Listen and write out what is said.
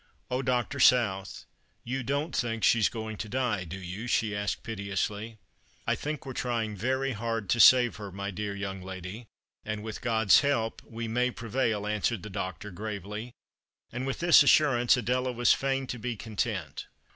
" Oh, Doctor South, you don't think she's going to die, do you ?" she asked piteously. " I think we're trying very hard to save her, my dear young lady, and with God's help we may prevail," answered the doctor, gravely ; and with this assurance Adela was fain to be content.